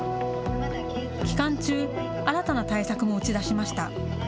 期間中、新たな対策も打ち出しました。